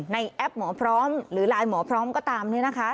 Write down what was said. แอปหมอพร้อมหรือไลน์หมอพร้อมก็ตามเนี่ยนะคะ